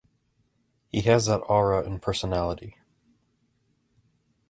He has that aura and personality.